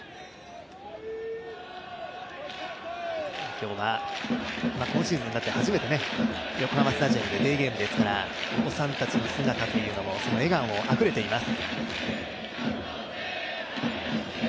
今日は、今シーズンになって初めて横浜スタジアムデーゲームですからお子さんたちの姿というのもその笑顔もあふれています。